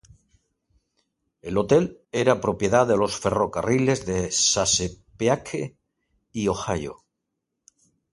El Hotel era propiedad de los Ferrocarriles de Chesapeake y Ohio.